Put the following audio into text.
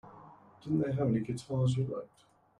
Didn't they have any guitars you liked?